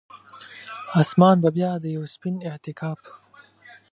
اسمان به بیا د یوه سپین اعتکاف،